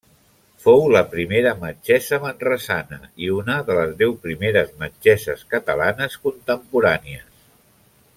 Fou la primera metgessa manresana i una de les deu primeres metgesses catalanes contemporànies.